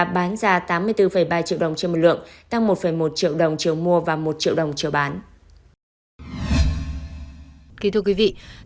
bán ra tám mươi bốn ba triệu đồng trên một lượng tăng một một triệu đồng chiều mua và một triệu đồng chiều bán